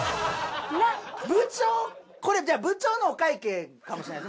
これ部長のお会計かもしれないです